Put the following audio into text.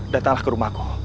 datanglah ke rumahku